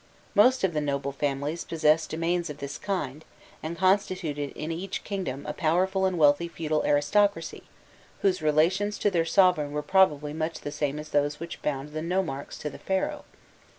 Most of the noble families possessed domains of this kind, and constituted in each kingdom a powerful and wealthy feudal aristocracy, whose relations to their sovereign were probably much the same as those which bound the nomarchs to the Pharaoh.